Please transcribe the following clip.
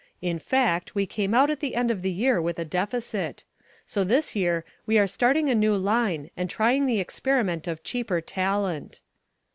In fact, we came out at the end of the year with a deficit. So this year we are starting a new line and trying the experiment of cheaper talent."